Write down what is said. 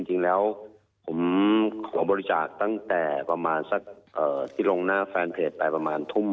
จริงแล้วผมขอบริจาคตั้งแต่ประมาณสักที่ลงหน้าแฟนเพจไปประมาณทุ่ม